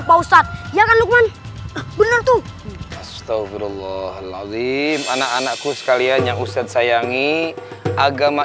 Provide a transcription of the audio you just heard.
pausat ya kan lukman bener tuh astagfirullahaladzim anak anakku sekalian yang ustadz sayangi agama